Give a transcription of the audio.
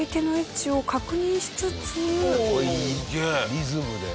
リズムで。